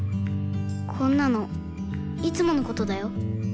こんなのいつものことだよ。